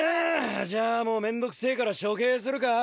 じゃあもう面倒くせえから処刑するか？